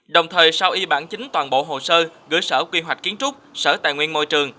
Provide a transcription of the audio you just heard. đồng thời sau y bản chính toàn bộ hồ sơ gửi sở quy hoạch kiến trúc sở tài nguyên môi trường